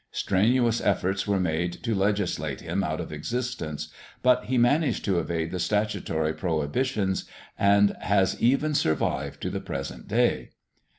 Strenuous efforts were made to legislate him out of existence, but he managed to evade the statutory prohibitions and has even survived to the present day.